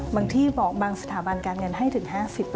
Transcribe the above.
บางที่บอกบางสถาบันการเงินให้ถึง๕๐